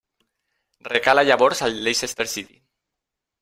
Recala llavors al Leicester City.